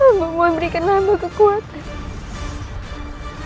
ambo mohon berikan lambang kekuatan